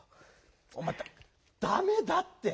おまえダメだって！